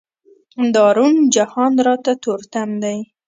دا روڼ جهان راته تور تم دی.